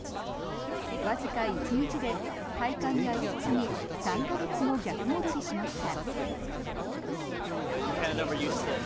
わずか１日で体感が一気に３か月も逆戻りしました。